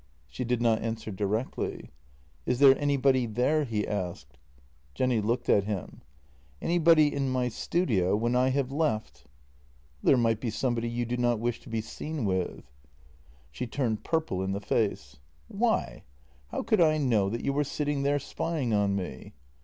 " She did not answer directly. " Is there anybody there? " he asked. Jenny looked at him: " Anybody in my studio when I have left? "" There might be somebody you do not wish to be seen with." JENNY 163 She turned purple in the face: " Why? How could I know that you were sitting there spying on me?